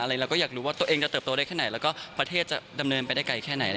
เราก็อยากรู้ว่าตัวเองจะเติบโตได้แค่ไหนแล้วก็ประเทศจะดำเนินไปได้ไกลแค่ไหน